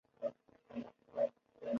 主要城镇为菲热克。